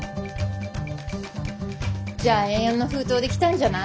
じゃあＡ４の封筒で来たんじゃない？